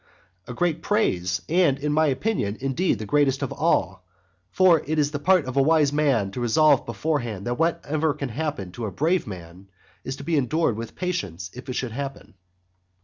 A great praise, and in my opinion indeed the greatest of all, for it is the part of a wise man to resolve beforehand that whatever can happen to a brave man is to be endured with patience if it should happen.